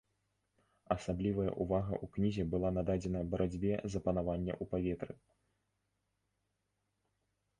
Асаблівая ўвага ў кнізе была нададзена барацьбе за панаванне ў паветры.